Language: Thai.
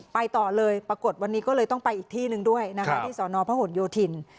ไปต่อเลยปรากฏวันนี้ก็เลยต้องไปอีกที่หนึ่งด้วยนะคะที่สอนอพหนโยธิน